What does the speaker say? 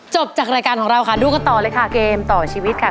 จบจากรายการของเราค่ะดูกันต่อเลยค่ะเกมต่อชีวิตค่ะ